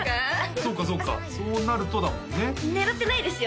そっかそっかそうなるとだもんね狙ってないですよ